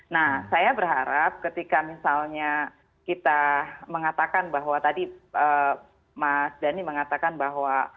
nah saya berharap ketika misalnya kita mengatakan bahwa tadi mas dhani mengatakan bahwa